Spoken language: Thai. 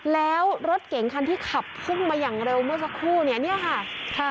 แล้วรถเก๋งคันที่ขับพุ่งมาอย่างเร็วเมื่อสักครู่เนี่ยค่ะ